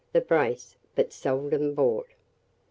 the brace; but seldom bought.